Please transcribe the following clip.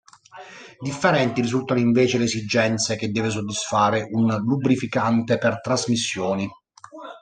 Differenti risultano invece le esigenze che deve soddisfare un lubrificante per trasmissioni.